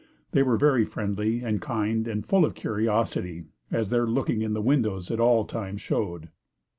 They were very friendly and kind and full of curiosity, as their looking in the windows at all times showed.